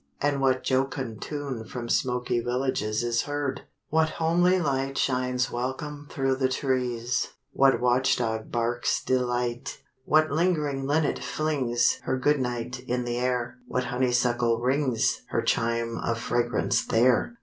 and what jocund tune From smoky villages Is heard? What homely light Shines welcome through the trees? What watch dog barks delight? What lingering linnet flings Her good night in the air? What honeysuckle rings Her chime of fragrance there?